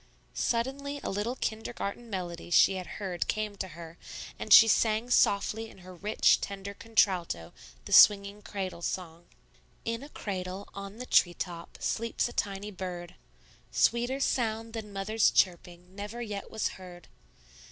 Suddenly a little kindergarten melody she had heard came to her, and she sang softly in her rich, tender contralto the swinging cradle song: "In a cradle, on the treetop, Sleeps a tiny bird; Sweeter sound than mother's chirping Never yet was heard.